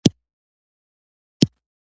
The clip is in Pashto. پښتون تر ټولو نورو خلکو بې عقل دی!